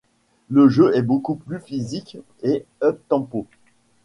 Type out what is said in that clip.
Le jeu est beaucoup plus physique et up-tempo.